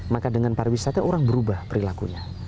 maka dengan pariwisata orang berubah perilakunya